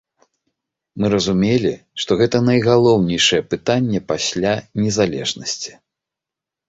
Мы разумелі, што гэта найгалоўнейшае пытанне пасля незалежнасці.